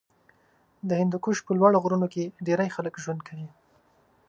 د هندوکش په لوړو غرونو کې ډېری خلک ژوند کوي.